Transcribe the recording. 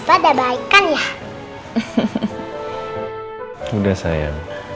eh jadi aus kan